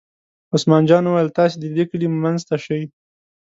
عثمان جان وویل: تاسې د دې کلي منځ ته شئ.